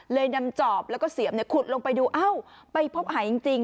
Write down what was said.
เลยนำจอบแล้วก็เสียบขุดลงไปดูเอ้าไปพบหายจริง